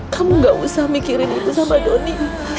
kamu nggak usah mikirin ibu sama doni